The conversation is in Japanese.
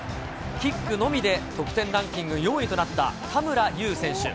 キックのみで得点ランキング４位となった田村優選手。